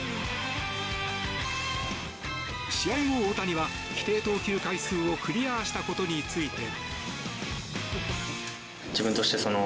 試合後、大谷は規定投球回数をクリアしたことについて。